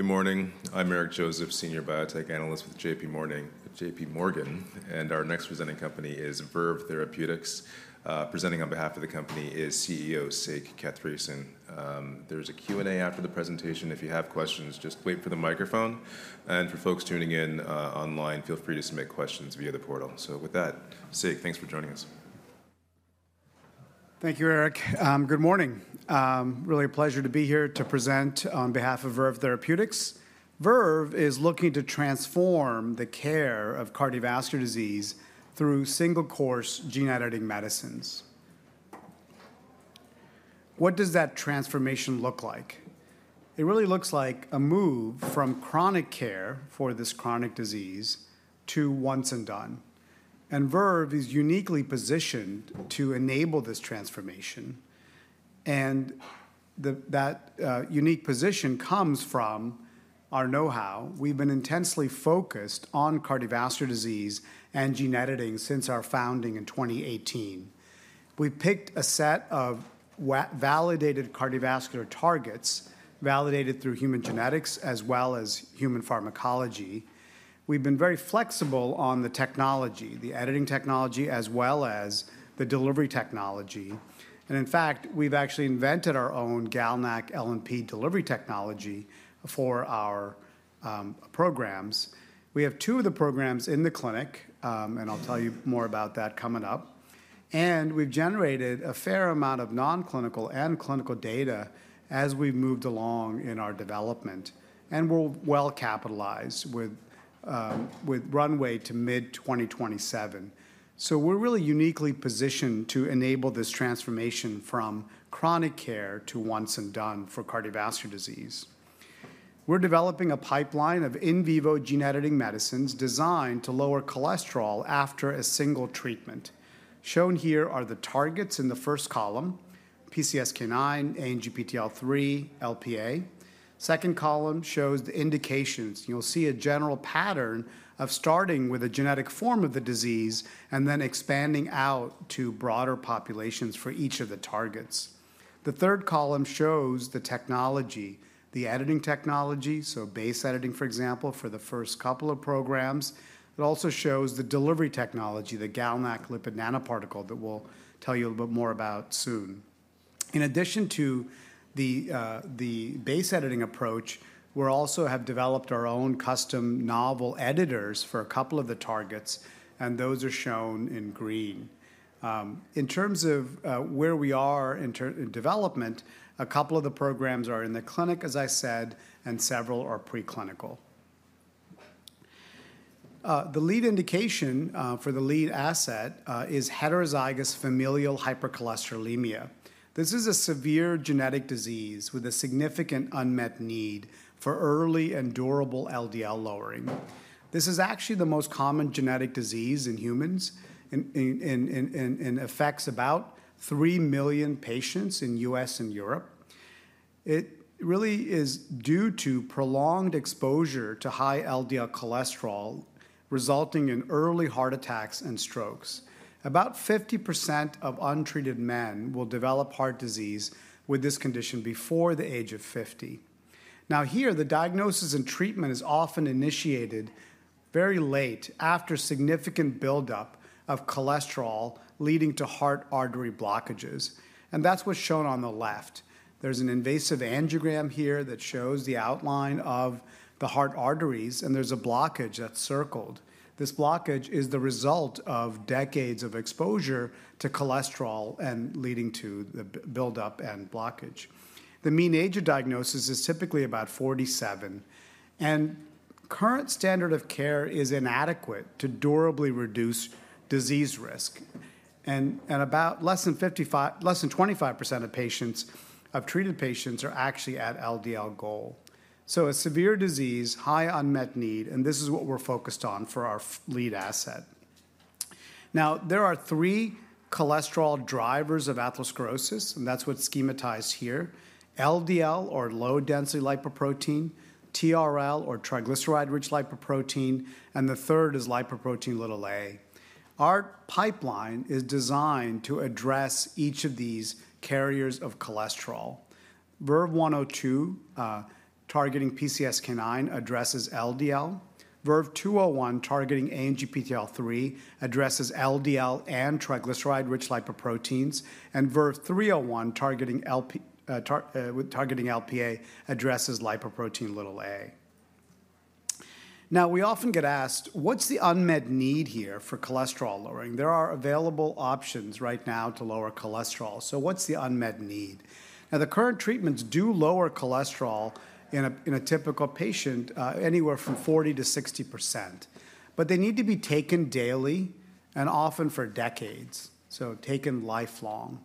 Good morning. I'm Eric Joseph, Senior Biotech Analyst with J.P. Morgan, and our next presenting company is Verve Therapeutics. Presenting on behalf of the company is CEO Sekar Kathiresan. There's a Q&A after the presentation. If you have questions, just wait for the microphone. And for folks tuning in online, feel free to submit questions via the portal. So with that, Sekar, thanks for joining us. Thank you, Eric. Good morning. Really a pleasure to be here to present on behalf of Verve Therapeutics. Verve is looking to transform the care of cardiovascular disease through single-course gene editing medicines. What does that transformation look like? It really looks like a move from chronic care for this chronic disease to once and done. And Verve is uniquely positioned to enable this transformation. And that unique position comes from our know-how. We've been intensely focused on cardiovascular disease and gene editing since our founding in 2018. We picked a set of validated cardiovascular targets, validated through human genetics as well as human pharmacology. We've been very flexible on the technology, the editing technology, as well as the delivery technology. And in fact, we've actually invented our own GalNAc LNP delivery technology for our programs. We have two of the programs in the clinic, and I'll tell you more about that coming up. And we've generated a fair amount of nonclinical and clinical data as we've moved along in our development. And we're well capitalized with runway to mid-2027. So we're really uniquely positioned to enable this transformation from chronic care to once and done for cardiovascular disease. We're developing a pipeline of in vivo gene editing medicines designed to lower cholesterol after a single treatment. Shown here are the targets in the first column: PCSK9, ANGPTL3, LPA. The second column shows the indications. You'll see a general pattern of starting with a genetic form of the disease and then expanding out to broader populations for each of the targets. The third column shows the technology, the editing technology, so base editing, for example, for the first couple of programs. It also shows the delivery technology, the GalNAc lipid nanoparticle that we'll tell you a little bit more about soon. In addition to the base editing approach, we also have developed our own custom novel editors for a couple of the targets, and those are shown in green. In terms of where we are in development, a couple of the programs are in the clinic, as I said, and several are preclinical. The lead indication for the lead asset is heterozygous familial hypercholesterolemia. This is a severe genetic disease with a significant unmet need for early and durable LDL lowering. This is actually the most common genetic disease in humans and affects about 3 million patients in the U.S. and Europe. It really is due to prolonged exposure to high LDL cholesterol, resulting in early heart attacks and strokes. About 50% of untreated men will develop heart disease with this condition before the age of 50. Now here, the diagnosis and treatment is often initiated very late after significant buildup of cholesterol leading to heart artery blockages. And that's what's shown on the left. There's an invasive angiogram here that shows the outline of the heart arteries, and there's a blockage that's circled. This blockage is the result of decades of exposure to cholesterol and leading to the buildup and blockage. The mean age of diagnosis is typically about 47. And current standard of care is inadequate to durably reduce disease risk. And about less than 25% of treated patients are actually at LDL goal. So a severe disease, high unmet need, and this is what we're focused on for our lead asset. Now, there are three cholesterol drivers of atherosclerosis, and that's what's schematized here: LDL or low-density lipoprotein, TRL or triglyceride-rich lipoprotein, and the third is lipoprotein(a). Our pipeline is designed to address each of these carriers of cholesterol. VERVE-102 targeting PCSK9 addresses LDL. VERVE-201 targeting ANGPTL3 addresses LDL and triglyceride-rich lipoproteins. And VERVE-301 targeting LPA addresses lipoprotein(a). Now, we often get asked, what's the unmet need here for cholesterol lowering? There are available options right now to lower cholesterol. So what's the unmet need? Now, the current treatments do lower cholesterol in a typical patient anywhere from 40%-60%. But they need to be taken daily and often for decades, so taken lifelong.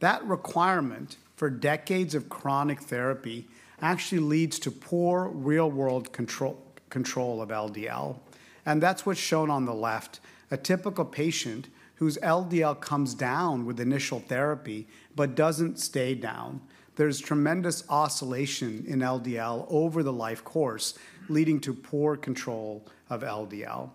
That requirement for decades of chronic therapy actually leads to poor real-world control of LDL. And that's what's shown on the left. A typical patient whose LDL comes down with initial therapy but doesn't stay down. There's tremendous oscillation in LDL over the life course, leading to poor control of LDL.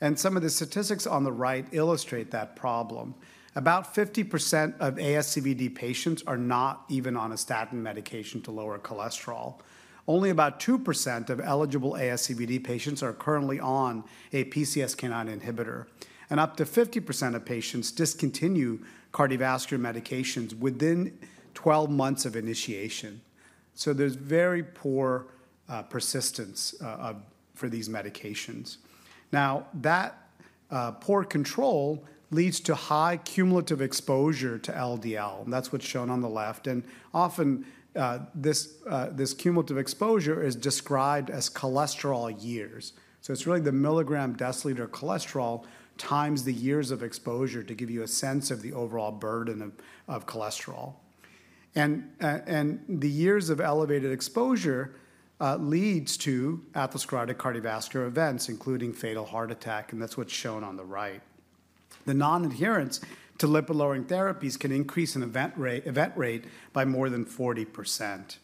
And some of the statistics on the right illustrate that problem. About 50% of ASCVD patients are not even on a statin medication to lower cholesterol. Only about 2% of eligible ASCVD patients are currently on a PCSK9 inhibitor. And up to 50% of patients discontinue cardiovascular medications within 12 months of initiation. So there's very poor persistence for these medications. Now, that poor control leads to high cumulative exposure to LDL. And that's what's shown on the left. And often this cumulative exposure is described as cholesterol years. So it's really the milligram deciliter of cholesterol times the years of exposure to give you a sense of the overall burden of cholesterol. And the years of elevated exposure leads to atherosclerotic cardiovascular events, including fatal heart attack. And that's what's shown on the right. The non-adherence to lipid-lowering therapies can increase an event rate by more than 40%.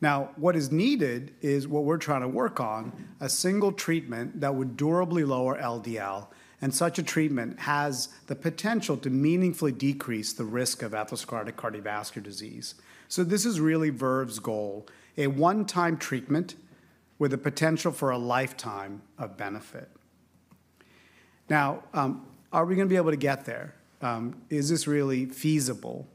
Now, what is needed is what we're trying to work on: a single treatment that would durably lower LDL. And such a treatment has the potential to meaningfully decrease the risk of atherosclerotic cardiovascular disease. So this is really Verve's goal: a one-time treatment with a potential for a lifetime of benefit. Now, are we going to be able to get there? Is this really feasible?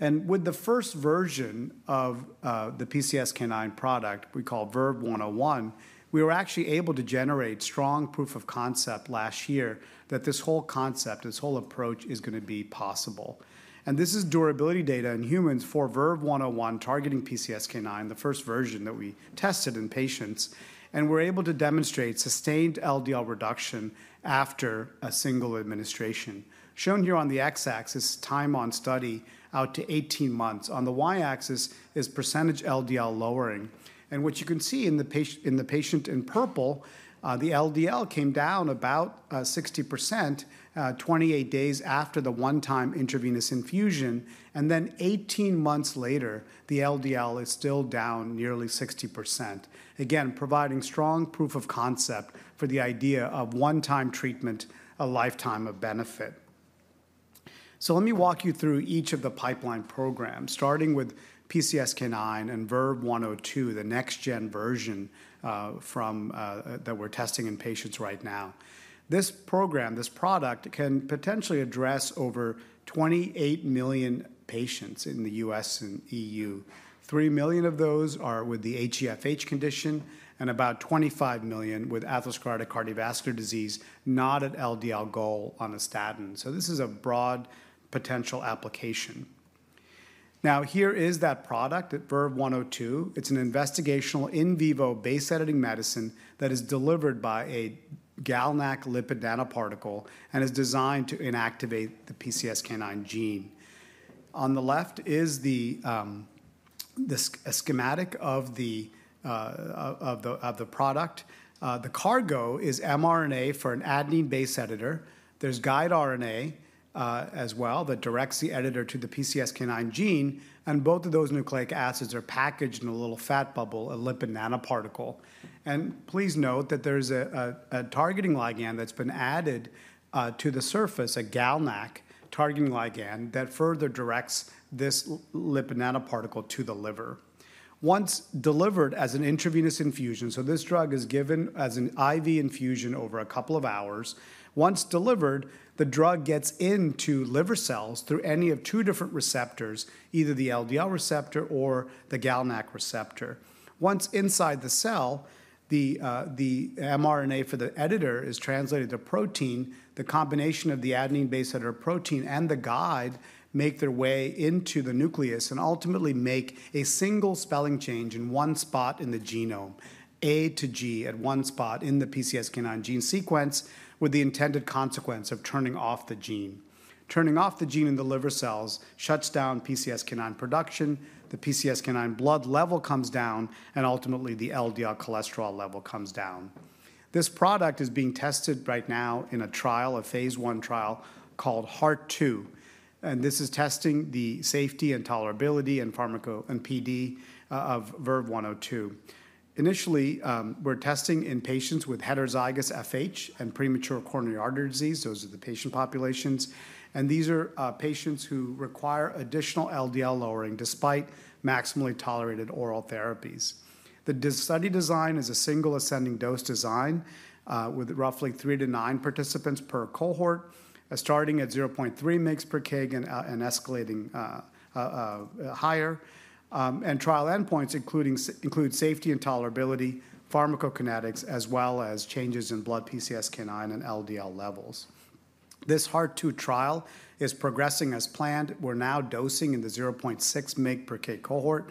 And with the first version of the PCSK9 product we call VERVE-101, we were actually able to generate strong proof of concept last year that this whole concept, this whole approach, is going to be possible. This is durability data in humans for VERVE-101 targeting PCSK9, the first version that we tested in patients. We're able to demonstrate sustained LDL reduction after a single administration. Shown here on the x-axis is time on study out to 18 months. On the y-axis is percentage LDL lowering. What you can see in the patient in purple, the LDL came down about 60% 28 days after the one-time intravenous infusion. 18 months later, the LDL is still down nearly 60%, again, providing strong proof of concept for the idea of one-time treatment, a lifetime of benefit. Let me walk you through each of the pipeline programs, starting with PCSK9 and VERVE-102, the next-gen version that we're testing in patients right now. This program, this product, can potentially address over 28 million patients in the U.S. and E.U. 3 million of those are with the HeFH condition and about 25 million with atherosclerotic cardiovascular disease, not at LDL goal on a statin. So this is a broad potential application. Now, here is that product at Verve-102. It's an investigational in vivo base editing medicine that is delivered by a GalNAc lipid nanoparticle and is designed to inactivate the PCSK9 gene. On the left is the schematic of the product. The cargo is mRNA for an adenine base editor. There's guide RNA as well that directs the editor to the PCSK9 gene. And both of those nucleic acids are packaged in a little fat bubble, a lipid nanoparticle. And please note that there's a targeting ligand that's been added to the surface, a GalNAc targeting ligand that further directs this lipid nanoparticle to the liver. Once delivered as an intravenous infusion, so this drug is given as an IV infusion over a couple of hours. Once delivered, the drug gets into liver cells through any of two different receptors, either the LDL receptor or the GalNAc receptor. Once inside the cell, the mRNA for the editor is translated to protein. The combination of the adenine base editor protein and the guide makes their way into the nucleus and ultimately makes a single spelling change in one spot in the genome, A to G at one spot in the PCSK9 gene sequence, with the intended consequence of turning off the gene. Turning off the gene in the liver cells shuts down PCSK9 production. The PCSK9 blood level comes down, and ultimately, the LDL cholesterol level comes down. This product is being tested right now in a trial, a Phase I trial called Heart-2. This is testing the safety and tolerability and PD of Verve 102. Initially, we're testing in patients with heterozygous FH and premature coronary artery disease. Those are the patient populations. These are patients who require additional LDL lowering despite maximally tolerated oral therapies. The study design is a single ascending dose design with roughly three to nine participants per cohort, starting at 0.3 mg/kg and escalating higher. Trial endpoints include safety and tolerability, pharmacokinetics, as well as changes in blood PCSK9 and LDL levels. This Heart-2 trial is progressing as planned. We're now dosing in the 0.6 mg/kg cohort.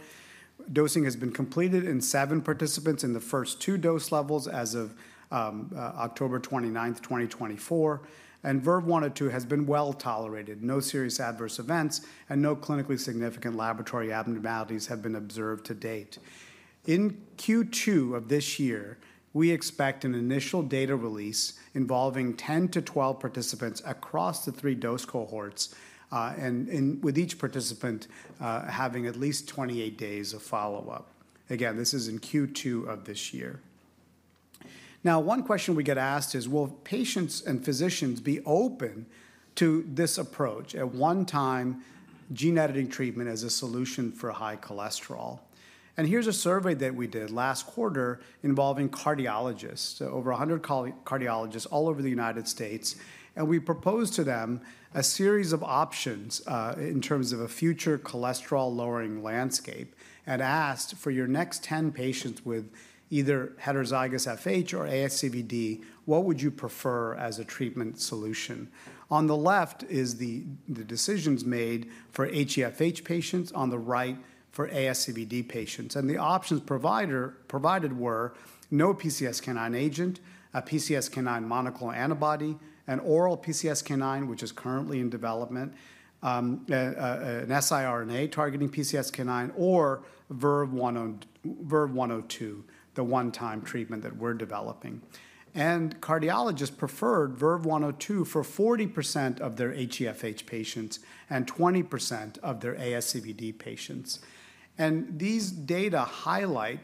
Dosing has been completed in seven participants in the first two dose levels as of October 29, 2024. Verve 102 has been well tolerated, no serious adverse events, and no clinically significant laboratory abnormalities have been observed to date. In Q2 of this year, we expect an initial data release involving 10 to 12 participants across the three dose cohorts, with each participant having at least 28 days of follow-up. Again, this is in Q2 of this year. Now, one question we get asked is, will patients and physicians be open to this approach at one-time gene editing treatment as a solution for high cholesterol? And here's a survey that we did last quarter involving cardiologists, over 100 cardiologists all over the United States. And we proposed to them a series of options in terms of a future cholesterol-lowering landscape and asked, for your next 10 patients with either heterozygous FH or ASCVD, what would you prefer as a treatment solution? On the left is the decisions made for HeFH patients. On the right, for ASCVD patients. And the options provided were no PCSK9 agent, a PCSK9 monoclonal antibody, an oral PCSK9, which is currently in development, an siRNA targeting PCSK9, or Verve-102, the one-time treatment that we're developing. And cardiologists preferred Verve-102 for 40% of their HeFH patients and 20% of their ASCVD patients. And these data highlight,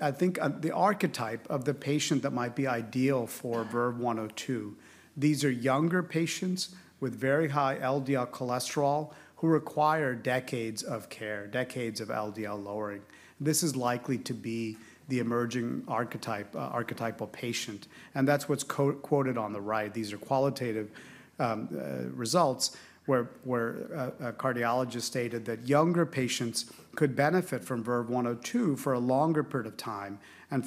I think, the archetype of the patient that might be ideal for Verve-102. These are younger patients with very high LDL cholesterol who require decades of care, decades of LDL lowering. This is likely to be the emerging archetypal patient. And that's what's quoted on the right. These are qualitative results where a cardiologist stated that younger patients could benefit from Verve-102 for a longer period of time. And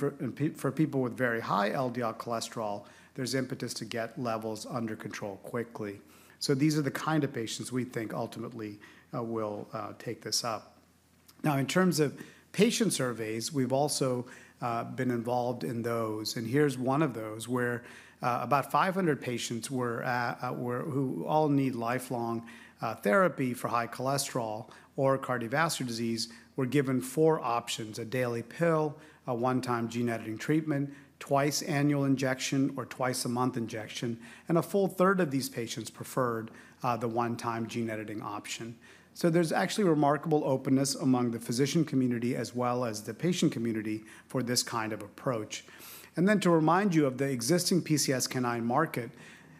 for people with very high LDL cholesterol, there's impetus to get levels under control quickly. So these are the kind of patients we think ultimately will take this up. Now, in terms of patient surveys, we've also been involved in those. And here's one of those where about 500 patients who all need lifelong therapy for high cholesterol or cardiovascular disease were given four options: a daily pill, a one-time gene editing treatment, twice annual injection, or twice-a-month injection. And a full third of these patients preferred the one-time gene editing option. So there's actually remarkable openness among the physician community as well as the patient community for this kind of approach. And then to remind you of the existing PCSK9 market,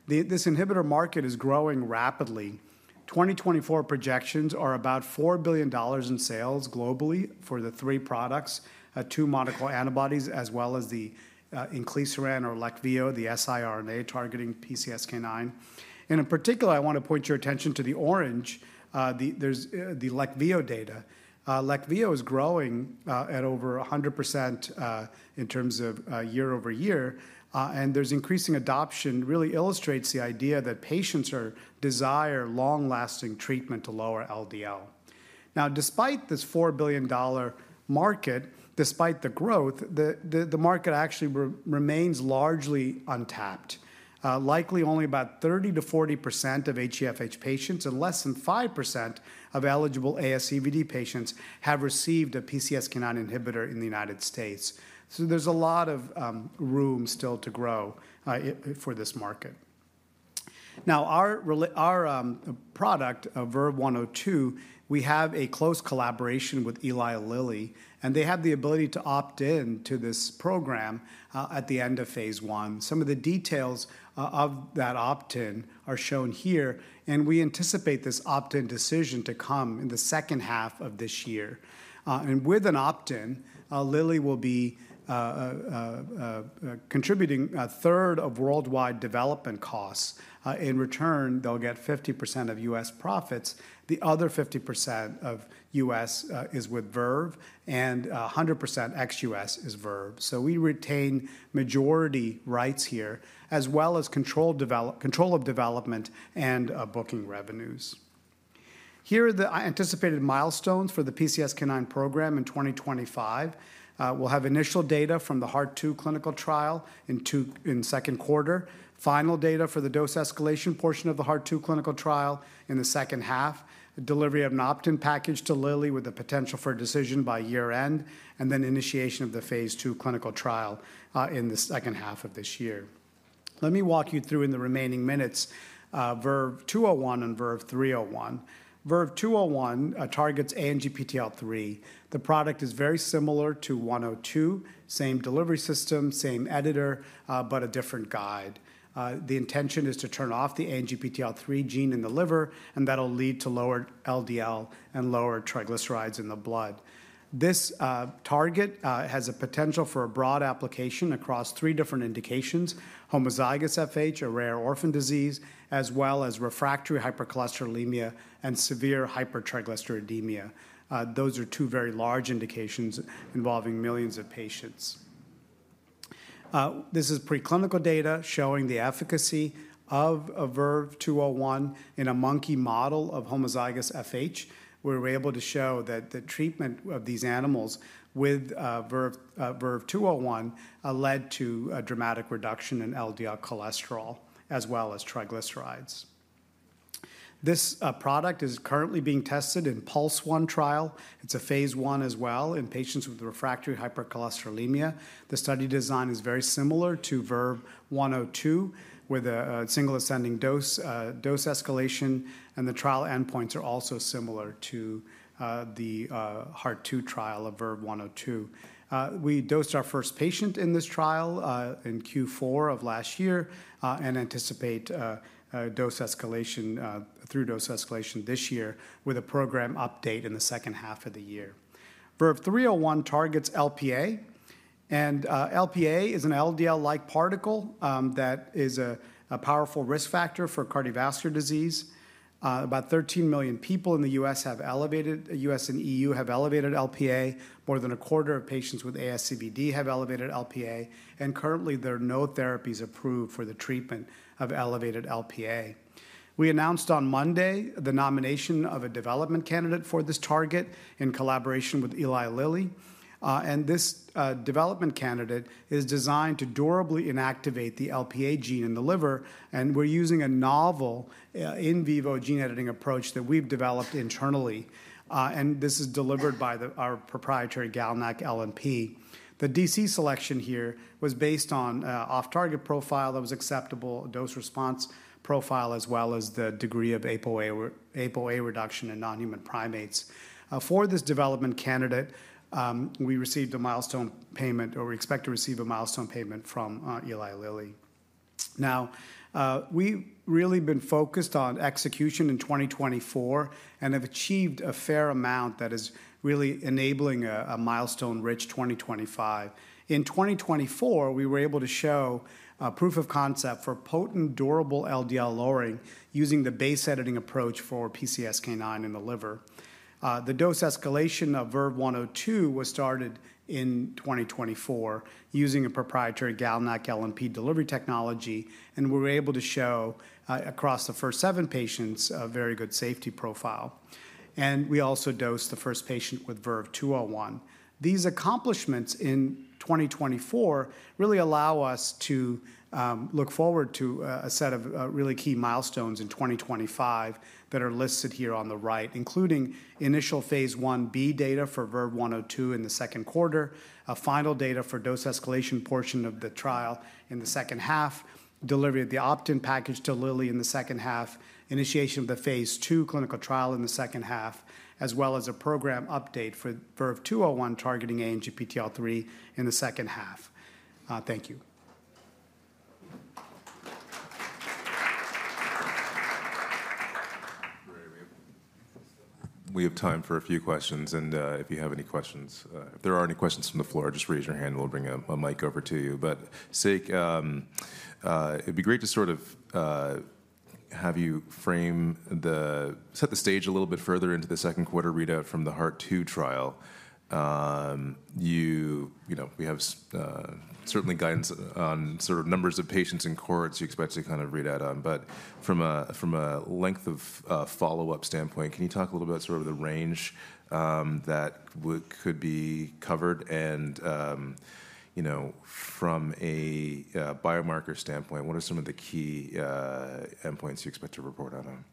this inhibitor market is growing rapidly. 2024 projections are about $4 billion in sales globally for the three products, two monoclonal antibodies, as well as the inclisiran or Leqvio, the siRNA targeting PCSK9. In particular, I want to point your attention to the orange, the Leqvio data. Leqvio is growing at over 100% in terms of year-over-year. And there's increasing adoption really illustrates the idea that patients desire long-lasting treatment to lower LDL. Now, despite this $4 billion market, despite the growth, the market actually remains largely untapped. Likely, only about 30%-40% of HeFH patients and less than 5% of eligible ASCVD patients have received a PCSK9 inhibitor in the United States. So there's a lot of room still to grow for this market. Now, our product, Verve-102, we have a close collaboration with Eli Lilly. And they have the ability to opt in to this program at the end of Phase I. Some of the details of that opt-in are shown here. And we anticipate this opt-in decision to come in the second half of this year. And with an opt-in, Lilly will be contributing a third of worldwide development costs. In return, they'll get 50% of U.S. profits. The other 50% of U.S. is with Verve, and 100% ex-U.S. is Verve. So we retain majority rights here, as well as control of development and booking revenues. Here are the anticipated milestones for the PCSK9 program in 2025. We'll have initial data from the Heart-2 clinical trial in Q2, final data for the dose escalation portion of the Heart-2 clinical trial in the second half, delivery of an opt-in package to Lilly with the potential for decision by year-end, and then initiation of the Phase II clinical trial in the second half of this year. Let me walk you through in the remaining minutes VERVE-201 and VERVE-301. VERVE-201 targets ANGPTL3. The product is very similar to 102, same delivery system, same editor, but a different guide. The intention is to turn off the ANGPTL3 gene in the liver, and that'll lead to lower LDL and lower triglycerides in the blood. This target has a potential for a broad application across three different indications: homozygous FH, a rare orphan disease, as well as refractory hypercholesterolemia and severe hypertriglyceridemia. Those are two very large indications involving millions of patients. This is preclinical data showing the efficacy of VERVE-201 in a monkey model of homozygous FH. We were able to show that the treatment of these animals with VERVE-201 led to a dramatic reduction in LDL cholesterol as well as triglycerides. This product is currently being tested in Pulse-1 trial. It's a Phase I as well in patients with refractory hypercholesterolemia. The study design is very similar to VERVE-102 with a single ascending dose escalation, and the trial endpoints are also similar to the Heart-2 trial of VERVE-102. We dosed our first patient in this trial in Q4 of last year and anticipate through dose escalation this year with a program update in the second half of the year. VERVE-301 targets LPA, and Lp(a) is an LDL-like particle that is a powerful risk factor for cardiovascular disease. About 13 million people in the U.S. and E.U. have elevated Lp(a). More than a quarter of patients with ASCVD have elevated Lp(a), and currently, there are no therapies approved for the treatment of elevated Lp(a). We announced on Monday the nomination of a development candidate for this target in collaboration with Eli Lilly. This development candidate is designed to durably inactivate the LPA gene in the liver. We're using a novel in vivo gene editing approach that we've developed internally. This is delivered by our proprietary GalNAc LNP. The DC selection here was based on an off-target profile that was acceptable, dose response profile, as well as the degree of Apo(a) reduction in non-human primates. For this development candidate, we received a milestone payment, or we expect to receive a milestone payment from Eli Lilly. Now, we've really been focused on execution in 2024 and have achieved a fair amount that is really enabling a milestone-rich 2025. In 2024, we were able to show proof of concept for potent, durable LDL lowering using the base editing approach for PCSK9 in the liver. The dose escalation of Verve-102 was started in 2024 using a proprietary GalNAc LNP delivery technology. We were able to show across the first seven patients a very good safety profile. We also dosed the first patient with VERVE-201. These accomplishments in 2024 really allow us to look forward to a set of really key milestones in 2025 that are listed here on the right, including initial Phase Ib data for Verve 102 in the Q2, final data for dose escalation portion of the trial in the second half, delivery of the opt-in package to Lilly in the second half, initiation of the Phase I clinical trial in the second half, as well as a program update for Verve 201 targeting ANGPTL3 in the second half. Thank you. We have time for a few questions. And if you have any questions, if there are any questions from the floor, just raise your hand, and we'll bring a mic over to you. But Sekar, it'd be great to sort of have you frame the set the stage a little bit further into the Q2 readout from the Heart-2 trial. We have certainly guidance on sort of numbers of patients and cohorts you expect to kind of read out on. But from a length of follow-up standpoint, can you talk a little bit about sort of the range that could be covered? And from a biomarker standpoint, what are some of the key endpoints you expect to report out on?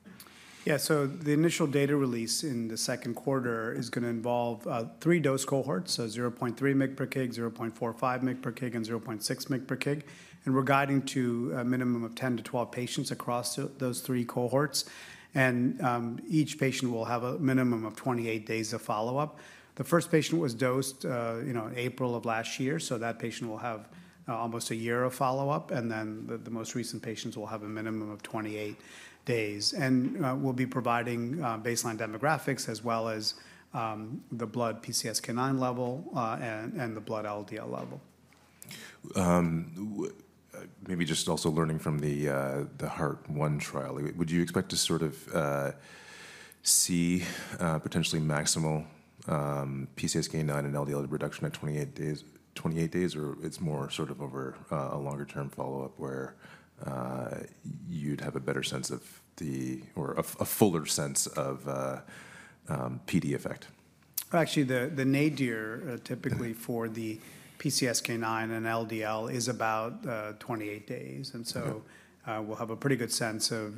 Yeah, so the initial data release in the Q2 is going to involve three dose cohorts: 0.3 mg per kg, 0.45 mg per kg, and 0.6 mg per kg, and we're guiding to a minimum of 10 to 12 patients across those three cohorts, and each patient will have a minimum of 28 days of follow-up. The first patient was dosed in April of last year, so that patient will have almost a year of follow-up, and then the most recent patients will have a minimum of 28 days, and we'll be providing baseline demographics as well as the blood PCSK9 level and the blood LDL level. Maybe just also learning from the Heart-1 trial, would you expect to sort of see potentially maximal PCSK9 and LDL reduction at 28 days, or it's more sort of over a longer-term follow-up where you'd have a better sense of a fuller sense of PD effect? Actually, the nadir typically for the PCSK9 and LDL is about 28 days, and so we'll have a pretty good sense of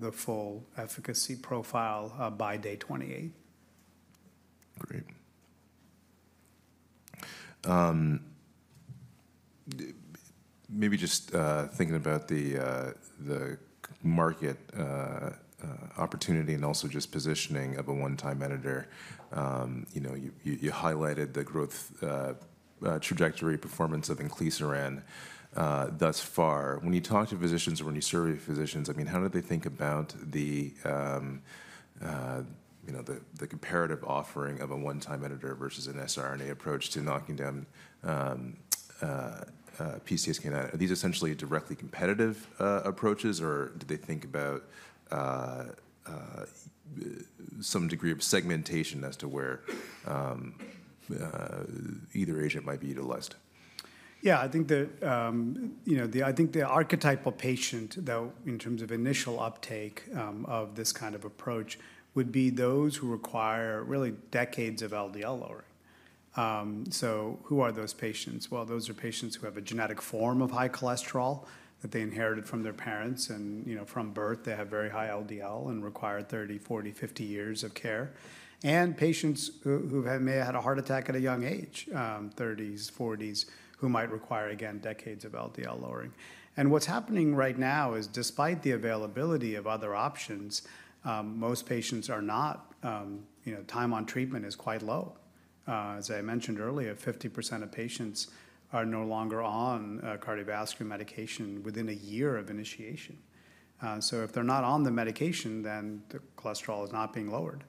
the full efficacy profile by day 28. Great. Maybe just thinking about the market opportunity and also just positioning of a one-time editor, you highlighted the growth trajectory performance of inclisiran thus far. When you talk to physicians or when you survey physicians, I mean, how do they think about the comparative offering of a one-time editor versus an siRNA approach to knocking down PCSK9? Are these essentially directly competitive approaches, or do they think about some degree of segmentation as to where either agent might be utilized? Yeah. I think the archetype of patient, though, in terms of initial uptake of this kind of approach, would be those who require really decades of LDL lowering. So who are those patients? Well, those are patients who have a genetic form of high cholesterol that they inherited from their parents. And from birth, they have very high LDL and require 30, 40, 50 years of care. And patients who may have had a heart attack at a young age, 30s, 40s, who might require, again, decades of LDL lowering. And what's happening right now is, despite the availability of other options, most patients are not. Time on treatment is quite low. As I mentioned earlier, 50% of patients are no longer on cardiovascular medication within a year of initiation. So if they're not on the medication, then the cholesterol is not being lowered.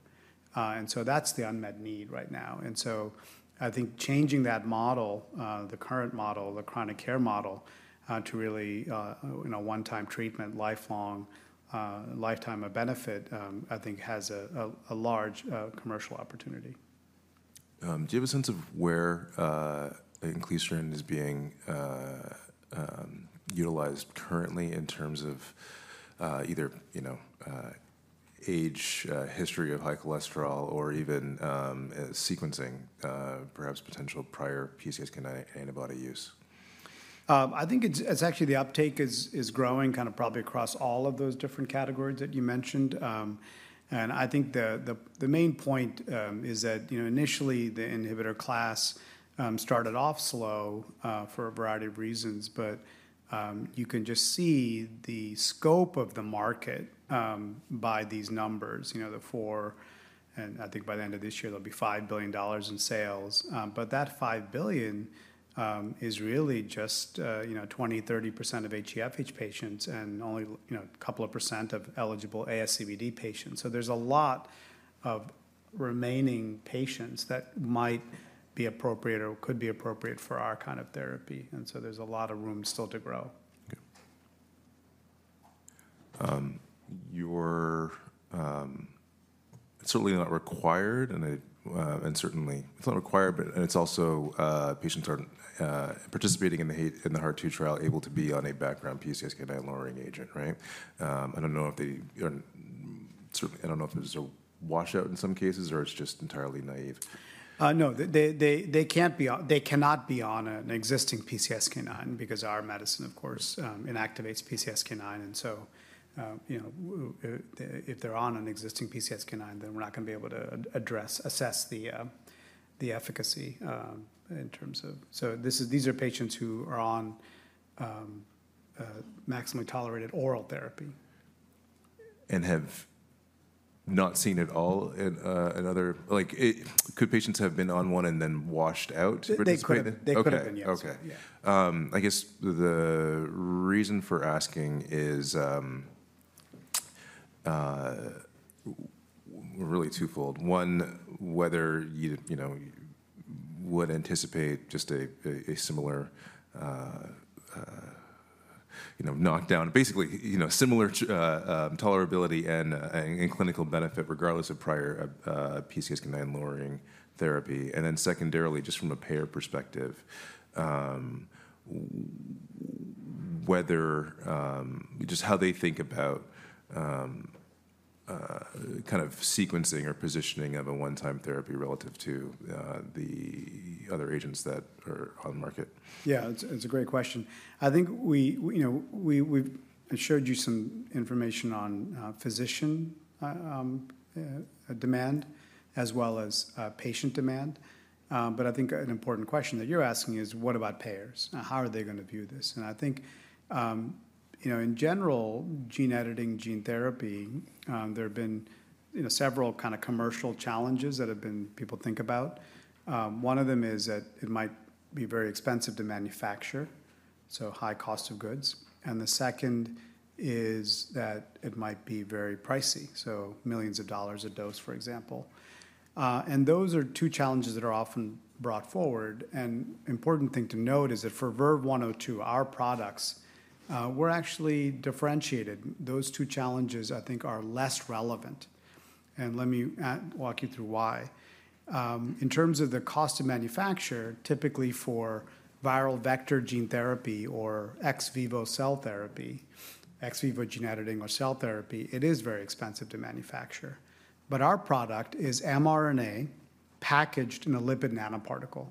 And so that's the unmet need right now. And so I think changing that model, the current model, the chronic care model, to really a one-time treatment, lifetime of benefit, I think has a large commercial opportunity. Do you have a sense of where inclisiran is being utilized currently in terms of either age, history of high cholesterol, or even sequencing, perhaps potential prior PCSK9 antibody use? I think it's actually the uptake is growing kind of probably across all of those different categories that you mentioned, and I think the main point is that initially, the inhibitor class started off slow for a variety of reasons, but you can just see the scope of the market by these numbers, and I think by the end of this year, there'll be $5 billion in sales, but that $5 billion is really just 20%, 30% of HeFH patients and only a couple of percent of eligible ASCVD patients, so there's a lot of remaining patients that might be appropriate or could be appropriate for our kind of therapy, and so there's a lot of room still to grow. Okay. You're certainly not required. And certainly, it's not required, but it's also patients participating in the Heart-2 trial able to be on a background PCSK9 lowering agent, right? I don't know if they certainly, I don't know if there's a washout in some cases, or it's just entirely naive. No. They cannot be on an existing PCSK9 because our medicine, of course, inactivates PCSK9, and so if they're on an existing PCSK9, then we're not going to be able to address, assess the efficacy in terms of so these are patients who are on maximally tolerated oral therapy. Have not seen at all another? Could patients have been on one and then washed out? They could have been, yes. Okay. I guess the reason for asking is really twofold. One, whether you would anticipate just a similar knockdown, basically similar tolerability and clinical benefit regardless of prior PCSK9 lowering therapy, and then secondarily, just from a payer perspective, whether just how they think about kind of sequencing or positioning of a one-time therapy relative to the other agents that are on the market? Yeah. It's a great question. I think we've assured you some information on physician demand as well as patient demand. But I think an important question that you're asking is, what about payers? How are they going to view this? And I think in general, gene editing, gene therapy, there have been several kind of commercial challenges that people think about. One of them is that it might be very expensive to manufacture, so high cost of goods. And the second is that it might be very pricey, so millions of dollars a dose, for example. And those are two challenges that are often brought forward. And an important thing to note is that for VERVE-102, our products, we're actually differentiated. Those two challenges, I think, are less relevant. And let me walk you through why. In terms of the cost of manufacture, typically for viral vector gene therapy or ex vivo cell therapy, ex vivo gene therapy or cell therapy, it is very expensive to manufacture. But our product is mRNA packaged in a lipid nanoparticle.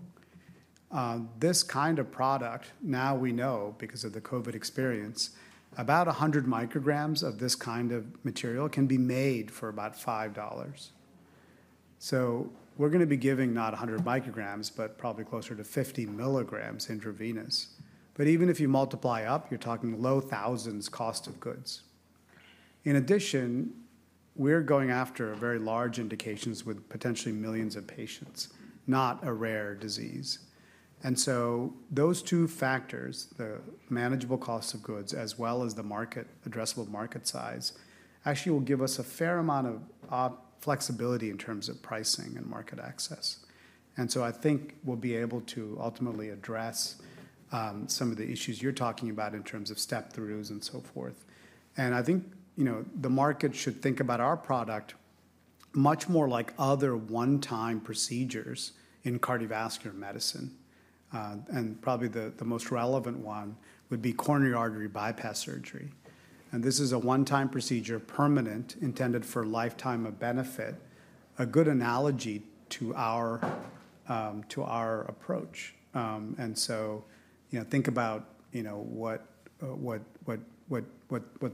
This kind of product, now we know because of the COVID experience, about 100 micrograms of this kind of material can be made for about $5. So we're going to be giving not 100 micrograms, but probably closer to 50 milligrams intravenous. But even if you multiply up, you're talking low thousands cost of goods. In addition, we're going after very large indications with potentially millions of patients, not a rare disease. And so those two factors, the manageable cost of goods as well as the addressable market size, actually will give us a fair amount of flexibility in terms of pricing and market access. And so I think we'll be able to ultimately address some of the issues you're talking about in terms of step-throughs and so forth. And I think the market should think about our product much more like other one-time procedures in cardiovascular medicine. And probably the most relevant one would be coronary artery bypass surgery. And this is a one-time procedure, permanent, intended for lifetime of benefit, a good analogy to our approach. And so think about what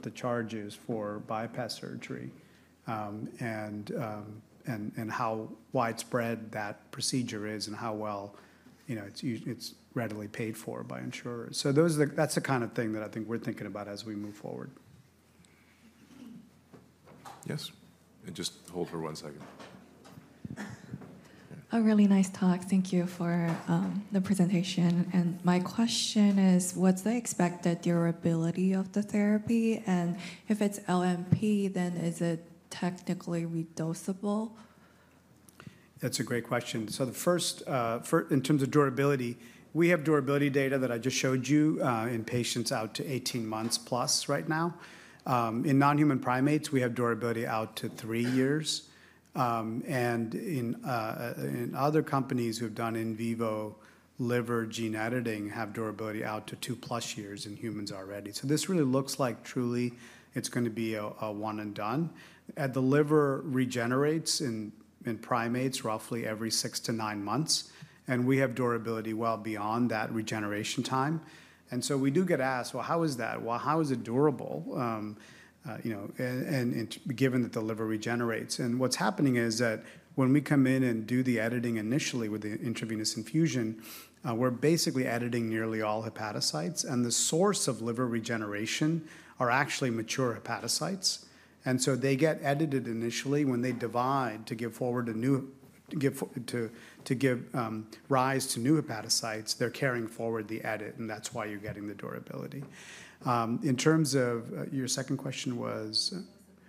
the charge is for bypass surgery and how widespread that procedure is and how well it's readily paid for by insurers. So that's the kind of thing that I think we're thinking about as we move forward. Yes? And just hold for one second. A really nice talk. Thank you for the presentation. And my question is, what's the expected durability of the therapy? And if it's LNP, then is it technically re-doseable? That's a great question. So in terms of durability, we have durability data that I just showed you in patients out to 18 months plus right now. In non-human primates, we have durability out to three years. And in other companies who have done in vivo liver gene editing have durability out to two-plus years in humans already. So this really looks like truly it's going to be a one and done. The liver regenerates in primates roughly every six to nine months. And we have durability well beyond that regeneration time. And so we do get asked, well, how is that? Well, how is it durable given that the liver regenerates? And what's happening is that when we come in and do the editing initially with the intravenous infusion, we're basically editing nearly all hepatocytes. And the source of liver regeneration are actually mature hepatocytes. And so they get edited initially. When they divide to give rise to new hepatocytes, they're carrying forward the edit. And that's why you're getting the durability. In terms of your second question was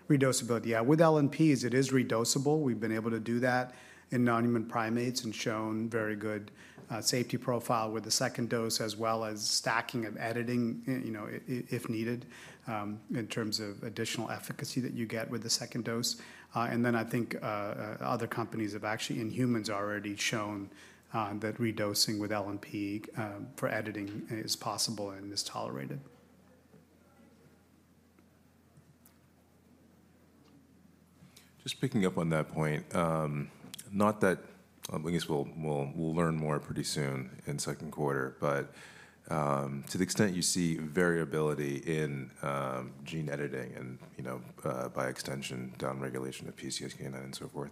re-dosability. Yeah. With LNPs, it is re-doseable. We've been able to do that in non-human primates and shown very good safety profile with the second dose as well as stacking of editing if needed in terms of additional efficacy that you get with the second dose. And then I think other companies have actually in humans already shown that re-dosing with LNP for editing is possible and is tolerated. Just picking up on that point, not that I guess we'll learn more pretty soon in Q2. But to the extent you see variability in gene editing and by extension down-regulation of PCSK9 and so forth,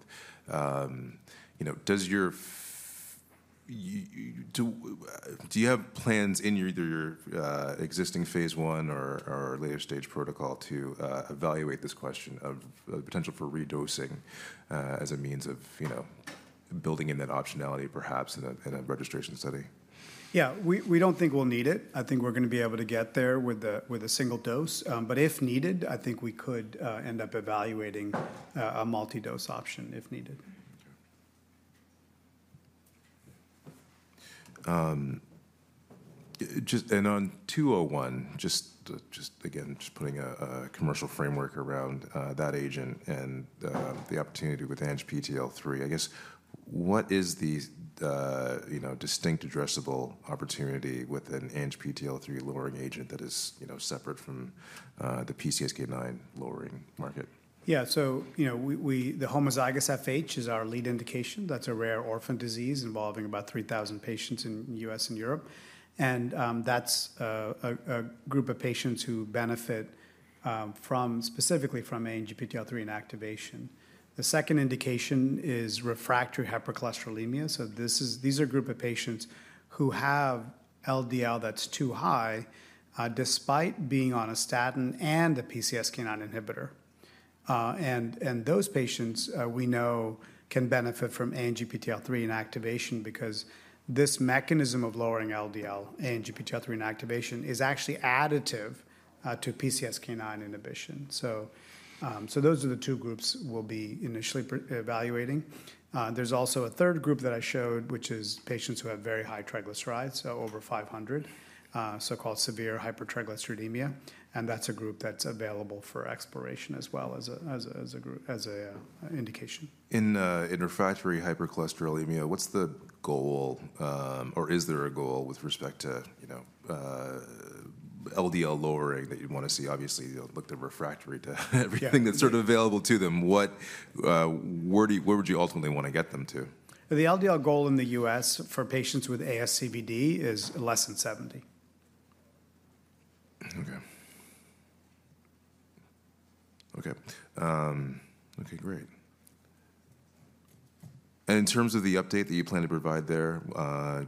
do you have plans in either your existing Phase I or later stage protocol to evaluate this question of potential for re-dosing as a means of building in that optionality perhaps in a registration study? Yeah. We don't think we'll need it. I think we're going to be able to get there with a single dose. But if needed, I think we could end up evaluating a multi-dose option if needed. On 201, just again, just putting a commercial framework around that agent and the opportunity with ANGPTL3, I guess what is the distinct addressable opportunity with an ANGPTL3 lowering agent that is separate from the PCSK9 lowering market? Yeah. So the homozygous FH is our lead indication. That's a rare orphan disease involving about 3,000 patients in the US and Europe. And that's a group of patients who benefit specifically from ANGPTL3 inactivation. The second indication is refractory hypercholesterolemia. So these are a group of patients who have LDL that's too high despite being on a statin and a PCSK9 inhibitor. And those patients, we know, can benefit from ANGPTL3 inactivation because this mechanism of lowering LDL, ANGPTL3 inactivation, is actually additive to PCSK9 inhibition. So those are the two groups we'll be initially evaluating. There's also a third group that I showed, which is patients who have very high triglycerides, so over 500, so-called severe hypertriglyceridemia. And that's a group that's available for exploration as well as an indication. In refractory hypercholesterolemia, what's the goal, or is there a goal with respect to LDL lowering that you'd want to see? Obviously, you'll look to refractory to everything that's sort of available to them. Where would you ultimately want to get them to? The LDL goal in the U.S. for patients with ASCVD is less than 70. Okay. Great. And in terms of the update that you plan to provide there,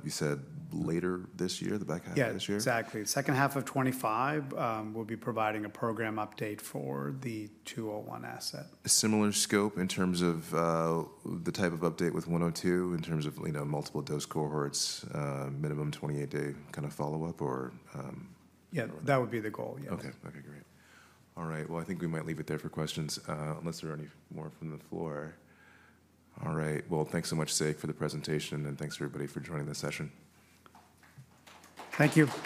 you said later this year, the back half of this year? Yeah. Exactly. Second half of 2025, we'll be providing a program update for the 201 asset. A similar scope in terms of the type of update with 102 in terms of multiple dose cohorts, minimum 28-day kind of follow-up, or? Yeah. That would be the goal, yeah. Okay. Okay. Great. All right. Well, I think we might leave it there for questions unless there are any more from the floor. All right. Well, thanks so much, Sekar, for the presentation, and thanks to everybody for joining the session. Thank you.